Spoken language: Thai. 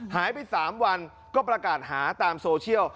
หายไป๓วันก็ประกาศหาตามโซเชียล